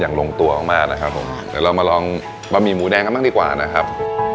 ลงตัวมากมากนะครับผมเดี๋ยวเรามาลองบะหมี่หมูแดงกันบ้างดีกว่านะครับ